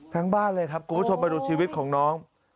บ้านเลยครับคุณผู้ชมมาดูชีวิตของน้อง